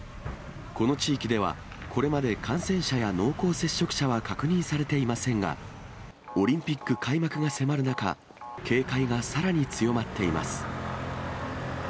この地域では、これまで感染者や濃厚接触者は確認されていませんが、オリンピック開幕が迫る中、警戒がさらに強まっています。